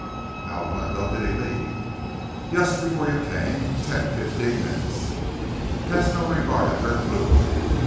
"How long ago did he leave?" "Yust before you came. Ten, fifteen minutes." Tesno regarded her gloomily.